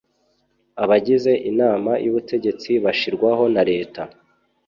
Abagize Inama y’ Ubutegetsi bashirwaho na leta